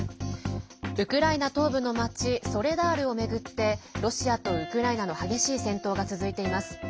ウクライナ東部の町ソレダールを巡ってロシアとウクライナの激しい戦闘が続いています。